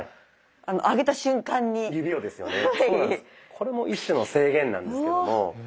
これも一種の制限なんですけども。